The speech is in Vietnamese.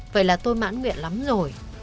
vậy là tôi mãn nguyện lắm rồi